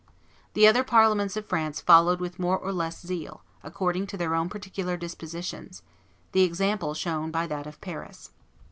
The other Parliaments of France followed with more or less zeal, according to their own particular dispositions, the example shown by that of Paris.